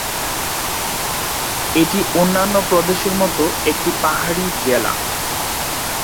এটি অন্যান্য প্রদেশের মত একটি পাহাড়ি জেলা।